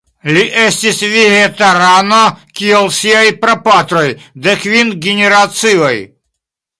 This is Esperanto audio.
Li estis vegetarano kiel siaj prapatroj de kvin generacioj.